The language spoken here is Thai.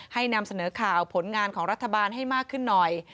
นำเสนอข่าวผลงานของรัฐบาลให้มากขึ้นหน่อย